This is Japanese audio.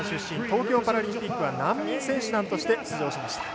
東京パラリンピックは難民選手団として出場しました。